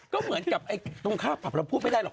ก็เหมือนกับตรงค่าผับเราพูดไม่ได้หรอก